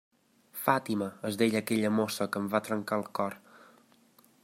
Fàtima, es deia aquella mossa que em va trencar el cor.